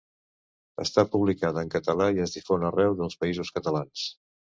Està publicada en català i es difon arreu dels Països Catalans.